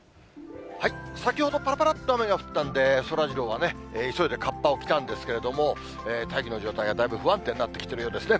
先ほど、ぱらぱらっと雨が降ったんで、そらジローはね、急いでかっぱを着たんですけれども、大気の状態がだいぶ不安定になってきているようですね。